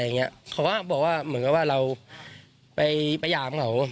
เขาก็บอกว่าเหมือนกับว่าเราไปพยายามเขา